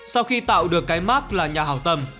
sau khi tạo được cái mát là nhà hào tâm